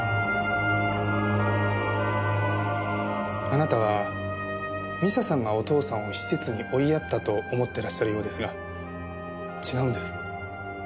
あなたは未紗さんがお父さんを施設に追いやったと思ってらっしゃるようですが違うんです。